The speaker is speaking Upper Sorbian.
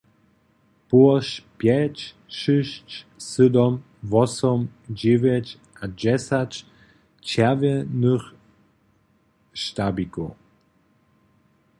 Połož pjeć, šěsć, sydom, wosom, dźewjeć a dźesać čerwjenych štabikow!